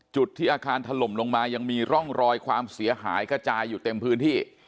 จุดที่อาคารถล่มลงมายังมีร่องรอยความเสียหายกระจายอยู่เต็มพื้นที่